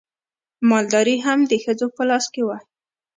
مالداري هم د ښځو په لاس کې وه.